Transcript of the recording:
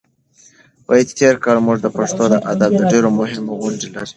تېر کال موږ د پښتو ادب ډېرې مهمې غونډې لرلې.